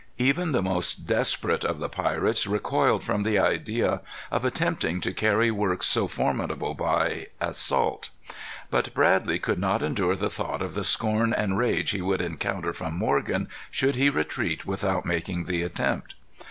Even the most desperate of the pirates recoiled from the idea of attempting to carry works so formidable by assault. But Bradley could not endure the thought of the scorn and rage he would encounter from Morgan should he retreat without making the attempt.